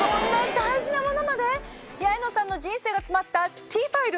八重野さんの人生がつまったＴファイル！